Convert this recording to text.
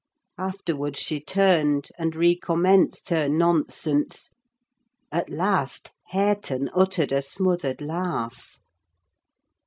Afterwards she turned, and recommenced her nonsense; at last, Hareton uttered a smothered laugh.